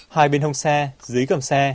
hai bên hồng xe dưới cầm xe